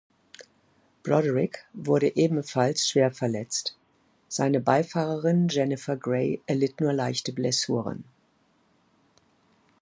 Broderick wurde ebenfalls schwer verletzt, seine Beifahrerin Jennifer Grey erlitt nur leichte Blessuren.